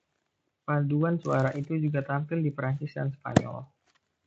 Paduan suara itu juga tampil di Perancis dan Spanyol.